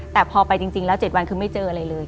แต่พอไปจริงแล้ว๗วันคือไม่เจออะไรเลย